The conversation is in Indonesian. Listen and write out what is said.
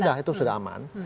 sudah itu sudah aman